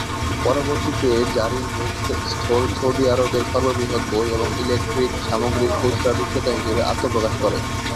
পরবর্তীতে জারির book store Saudi আরবের সর্ববৃহৎ বই এবং ইলেক্ট্রিক সামগ্রীর খুচরা বিক্রেতা হিসেবে আত্মপ্রকাশ করে।